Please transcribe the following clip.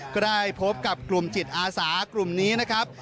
ก็ได้พบกับกลุ่มจิตอาสากลุ่มนี้นะครับ